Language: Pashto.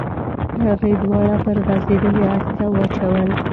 هغې دواړه پر غځېدلې اسره واچول.